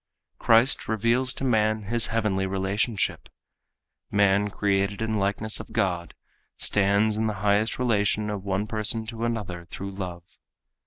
Christ reveals to man his heavenly relationship. Man created in the likeness of God stands in the highest relation of one person to another through love.